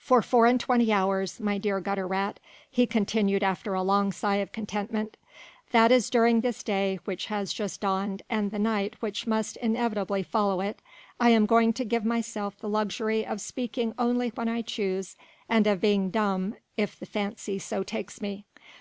"For four and twenty hours, my dear Gutter rat," he continued after a long sigh of contentment, "that is during this day which has just dawned and the night which must inevitably follow it, I am going to give myself the luxury of speaking only when I choose and of being dumb if the fancy so takes me